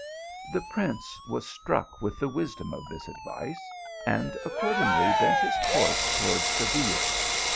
The prince was struck with the wisdom of this advice, and accordingly bent his course towards Seville.